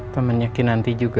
temennya kinanti juga